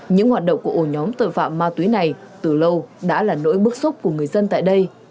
những hoạt động của ổ nhóm tội phạm ma túy này từ lâu đã là nỗi bức xúc của người dân tại đây